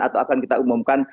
atau akan kita umumkan